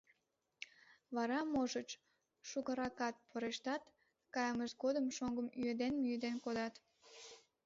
Вара, можыч, шукыракат порештат, кайымышт годым шоҥгым ӱеден-мӱеден кодат.